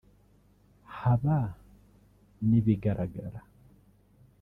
haba n’ibigaragara